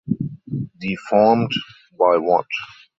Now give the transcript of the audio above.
Deformed by what?